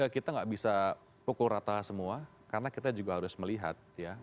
kita nggak bisa pukul rata semua karena kita juga harus melihat ya